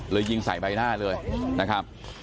ยิงใส่ใบหน้าเลยนะครับ